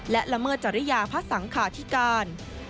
และละเมิดจริยาพระสังขาธิการ